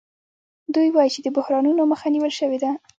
دوی وايي چې د بحرانونو مخه نیول شوې ده